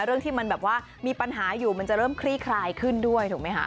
เรื่องที่มันแบบว่ามีปัญหาอยู่มันจะเริ่มคลี่คลายขึ้นด้วยถูกไหมคะ